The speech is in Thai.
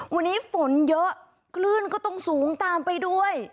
วันนี้ฝนเยอะคลื่นก็ต้องสูงตามไปด้วย